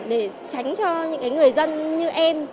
để tránh cho những người dân như em